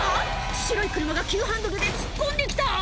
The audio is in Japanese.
白い車が急ハンドルで突っ込んできた！